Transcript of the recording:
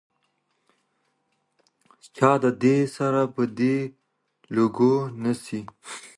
چي دي سره په دې لوګيو نه سي